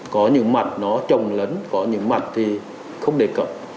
có những mặt nó trồng lấn có những mặt thì không đề cập